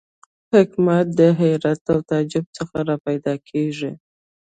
حکمت د حیرت او تعجب څخه را پیدا کېږي.